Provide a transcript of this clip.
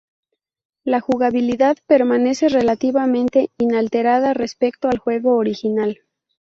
La jugabilidad permanece relativamente inalterada respecto al juego original.